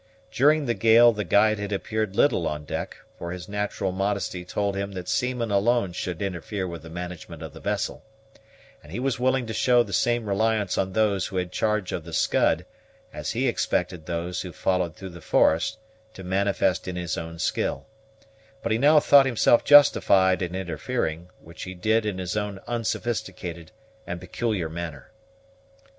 During the gale the guide had appeared little on deck, for his natural modesty told him that seamen alone should interfere with the management of the vessel; and he was willing to show the same reliance on those who had charge of the Scud, as he expected those who followed through the forest to manifest in his own skill; but he now thought himself justified in interfering, which he did in his own unsophisticated and peculiar manner.